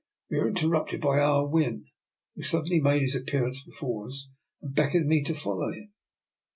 We were interrupted by Ah Win, who suddenly made his appear ance before us and beckoned me to follow him.